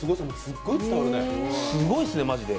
すごいっすね、マジで。